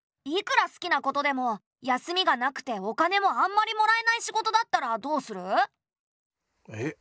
いくら好きなことでも休みがなくてお金もあんまりもらえない仕事だったらどうする？え？